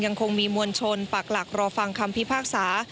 ยังคงมีมวลชนปากหลักรอฟังคำพิพากษา